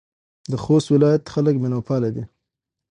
د خوست ولایت خلک میلمه پاله دي.